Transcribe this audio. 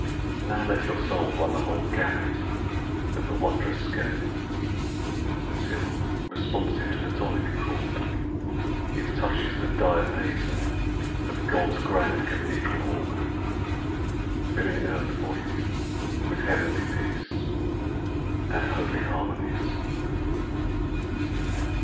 Now let your soul run the whole gamut of the wondrous scale Until, responsive to the tonic chord, It touches the diapason of God's grand cathedral organ, Filling earth for you with heavenly peace And holy harmonies.